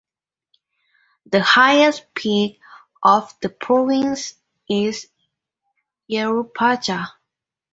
The highest peak of the province is Yerupaja.